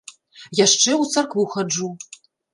Яшчэ ў царкву хаджу.